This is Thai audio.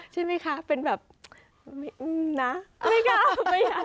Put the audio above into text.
ใช่ไหมคะเป็นแบบนะไม่กลัว